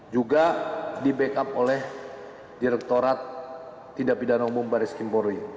juga di backup oleh direkturat tindak bidana umum baris kim polri